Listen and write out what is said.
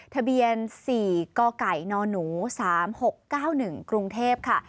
ทะเบียน๔กกนหนู๓๖๙๑กรุงเทพค่ะ